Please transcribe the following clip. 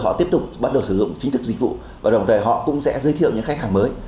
họ tiếp tục bắt đầu sử dụng chính thức dịch vụ và đồng thời họ cũng sẽ giới thiệu những khách hàng mới